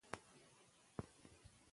علیمردان خان له اصفهان څخه وېره درلوده.